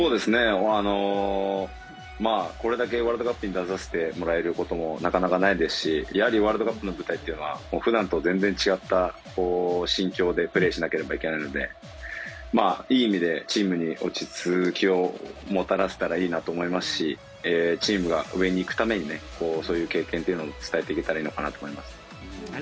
これだけワールドカップに出させてもらえることもなかなかないですしやはりワールドカップの舞台というのは普段と違った心境でプレーしなければいけないのでいい意味でチームに落ち着きをもたらせたらと思いますしチームが上に行くためにそういう経験を伝えていけたらありがとうございます。